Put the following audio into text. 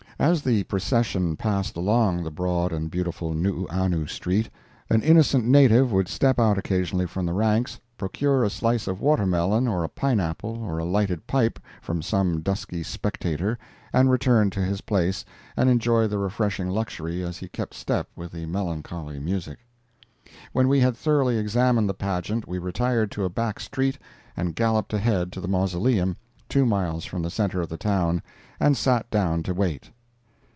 As the procession passed along the broad and beautiful Nuuanu street, an innocent native would step out occasionally from the ranks, procure a slice of watermelon, or a pineapple, or a lighted pipe, from some dusky spectator and return to his place and enjoy the refreshing luxury as he kept step with the melancholy music. When we had thoroughly examined the pageant we retired to a back street and galloped ahead to the mausoleum, two miles from the center of the town, and sat down to wait.